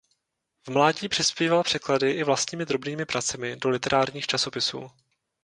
V mládí přispíval překlady i vlastními drobnými pracemi do literárních časopisů.